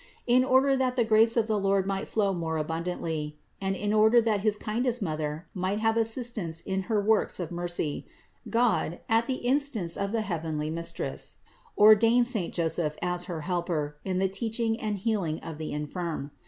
In order that the grace of the Lord might flow more abun dantly, and in order that his kindest Mother might have assistance in her works of mercy, God, at the instance of the heavenly Mistress, ordained saint Joseph as her helper in the teaching and healing of the infirm.